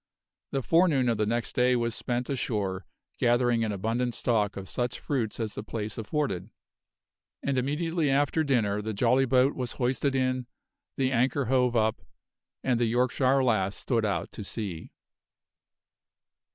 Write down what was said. The forenoon of the next day was spent ashore gathering an abundant stock of such fruits as the place afforded; and immediately after dinner the jolly boat was hoisted in, the anchor hove up, and the Yorkshire Lass stood out to sea.